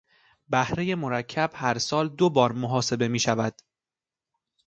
بهرهی مرکب هرسال دوبار محاسبه میشود.